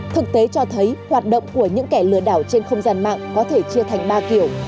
thực tế cho thấy hoạt động của những kẻ lừa đảo trên không gian mạng có thể chia thành ba kiểu